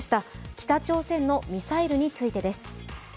北朝鮮のミサイルについてです。